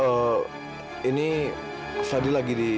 eh ini fadil lagi di